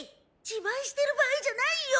自慢してる場合じゃないよ！